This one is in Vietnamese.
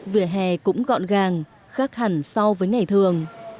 vỉa hè cũng gọn gàng khác hẳn so với ngày thường